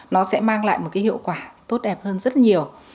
nó sẽ mang lại một cái hiệu quả tốt đẹp hơn rất nhiều